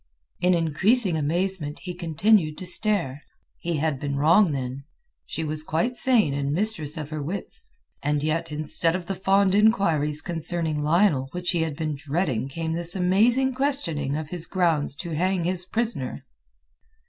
In increasing amazement he continued to stare. He had been wrong, then. She was quite sane and mistress of her wits. And yet instead of the fond inquiries concerning Lionel which he had been dreading came this amazing questioning of his grounds to hang his prisoner.